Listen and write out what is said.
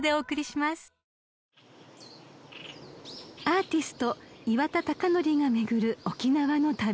［アーティスト岩田剛典が巡る沖縄の旅］